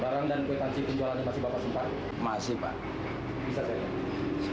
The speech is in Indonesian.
barang dan petang penjualan masih bapak sempat masih pak bisa saya